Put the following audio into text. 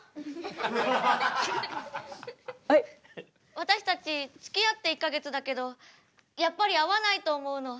私たちつきあって１か月だけどやっぱり合わないと思うの。